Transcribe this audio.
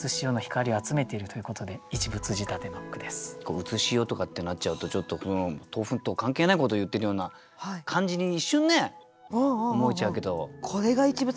「うつしよ」とかってなっちゃうとちょっと豆腐と関係ないことを言ってるような感じに一瞬ね思えちゃうけど。